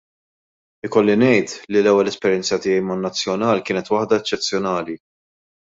Ikolli ngħid, li l-ewwel esperjenza tiegħi man-nazzjonal kienet waħda eċċezzjonali.